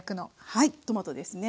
はいトマトですね。